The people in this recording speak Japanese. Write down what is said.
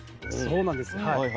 そうなんですはい。